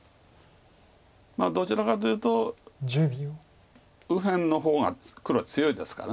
どちらかというと右辺の方が黒強いですから。